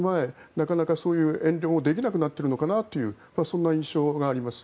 なかなかそういう遠慮もできなくなっているのかなというそんな印象があります。